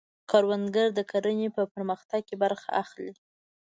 کروندګر د کرنې په پرمختګ کې برخه اخلي